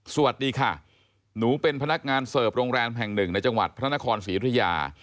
สวัสดีค่ะหนูเป็นพนักงานเสิร์ฟโรงแรมแห่งหนึ่งในจังหวัดพระนครศรียุธยา